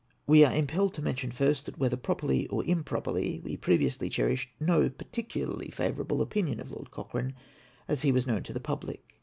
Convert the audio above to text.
We are impelled to mention first that, whether properly or improperly, we prcA iously cherished no particularly favourable opinion of Lord Cochrane as he was known to the public.